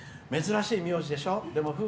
「珍しい名字でしょう。